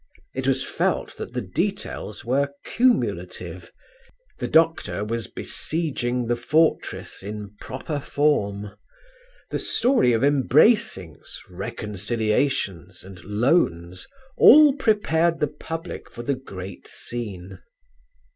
It was felt that the details were cumulative; the doctor was besieging the fortress in proper form. The story of embracings, reconciliations and loans all prepared the public for the great scene.